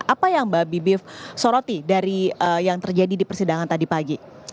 apa yang mbak bibip soroti dari yang terjadi di persidangan tadi pagi